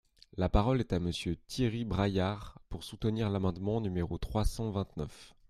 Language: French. La parole est à Monsieur Thierry Braillard, pour soutenir l’amendement numéro trois cent vingt-neuf.